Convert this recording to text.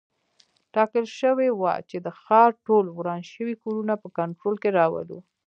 ټاکل شوي وه چې د ښار ټول وران شوي کورونه په کنټرول کې راولو.